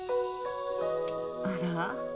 あら。